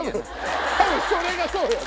多分それがそうよ！